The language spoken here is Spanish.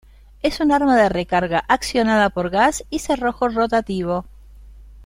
Es un arma de recarga accionada por gas y cerrojo rotativo.